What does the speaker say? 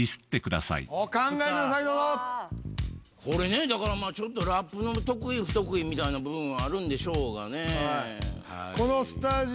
これねだからまあちょっとラップの得意不得意みたいな部分はあるんでしょうがね。